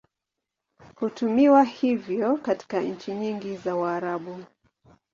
Hutumiwa hivyo katika nchi nyingi za Waarabu.